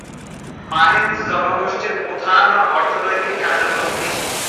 মাহেঞ্জ জনগোষ্ঠীর প্রধান অর্থনৈতিক কার্যক্রম কৃষি।